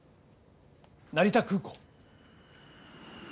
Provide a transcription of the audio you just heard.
成田空港。